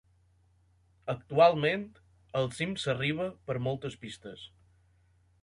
Actualment al cim s'arriba per moltes pistes.